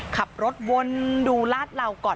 ขับรถวนดูลาดเหล่าก่อน